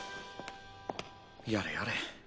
やれやれ。